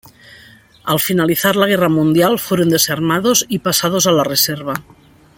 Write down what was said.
Al finalizar la guerra mundial fueron desarmados y pasados a la reserva.